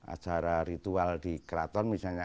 acara ritual di keraton misalnya